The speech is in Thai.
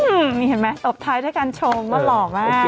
นี่เห็นไหมตบท้ายด้วยการชมว่าหล่อมาก